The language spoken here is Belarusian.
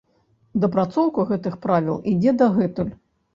Дапрацоўка гэтых правіл ідзе дагэтуль.